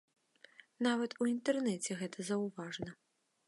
Нават у інтэрнэце гэта заўважна.